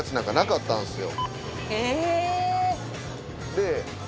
で